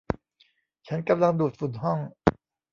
ฉันกำลังดูดฝุ่นห้อง